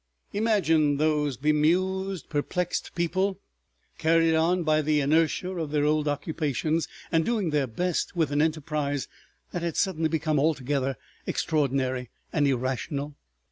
Imagine those bemused, perplexed people, carried on by the inertia of their old occupations and doing their best with an enterprise that had suddenly become altogether extraordinary and irrational.